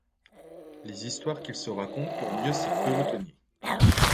Les histoires qu’ils se racontent pour mieux s’y pelotonner.